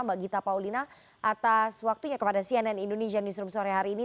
mbak gita paulina atas waktunya kepada cnn indonesia newsroom sore hari ini